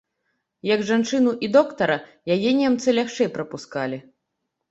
Як жанчыну і доктара, яе немцы лягчэй прапускалі.